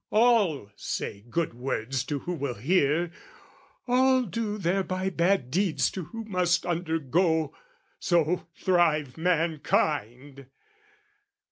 All say good words To who will hear, all do thereby bad deeds To who must undergo; so thrive mankind!